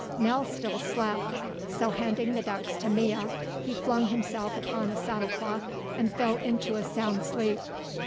Nell still slept; so handing the ducks to Mea, he flung himself upon a saddle cloth and fell into a sound sleep.